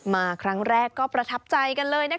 มาครั้งแรกก็ประทับใจกันเลยนะคะ